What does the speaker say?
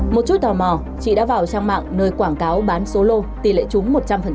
một chút tò mò chị đã vào trang mạng nơi quảng cáo bán số lô tỷ lệ chúng một trăm linh